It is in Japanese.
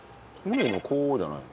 こうじゃないの？